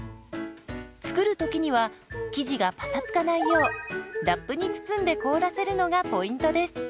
作る時には生地がパサつかないようラップに包んで凍らせるのがポイントです。